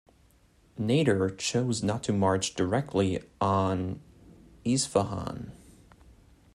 Nader chose not to march directly on Isfahan.